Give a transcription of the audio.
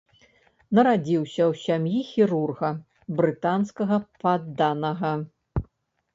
Нарадзіўся ў сям'і хірурга, брытанскага падданага.